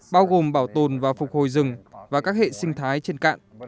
bao gồm bảo tồn và phục hồi rừng và các hệ sinh thái trên cạn